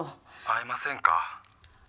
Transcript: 「会えませんか？」